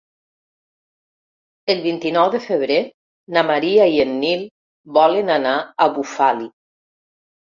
El vint-i-nou de febrer na Maria i en Nil volen anar a Bufali.